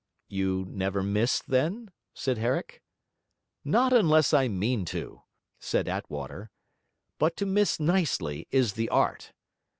'You never miss, then?' said Herrick. 'Not unless I mean to,' said Attwater. 'But to miss nicely is the art.